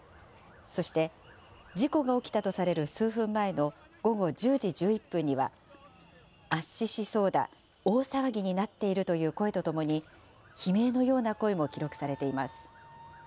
そして事故が起きたとされる数分前の午後１０時１１分には、圧死しそうだ、大騒ぎになっているという声とともに、悲鳴のような声も記録されています。